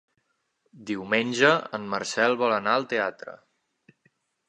Diumenge en Marcel vol anar al teatre.